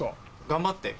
頑張ってね。